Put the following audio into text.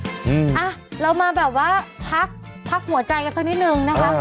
อ่ะเรามาแบบว่าพักพักหัวใจกันสักนิดนึงนะคะ